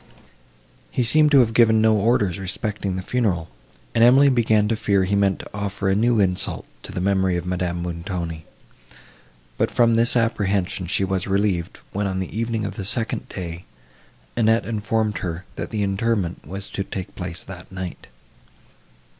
He seemed to have given no orders respecting the funeral, and Emily began to fear he meant to offer a new insult to the memory of Madame Montoni; but from this apprehension she was relieved, when, on the evening of the second day, Annette informed her, that the interment was to take place that night.